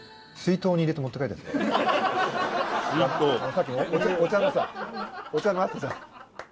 さっきのお茶のさお茶のあったじゃん。